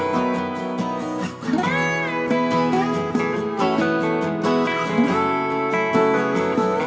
hẹn gặp lại